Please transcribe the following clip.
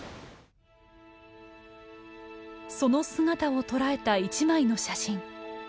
その姿を捉えた一枚の写真。